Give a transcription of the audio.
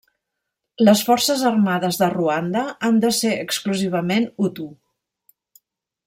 Les Forces Armades de Ruanda han de ser exclusivament hutu.